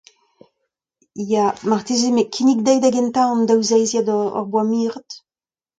ya, marteze met kinnig dezhi da gentañ an daou zeiziad hor boa miret.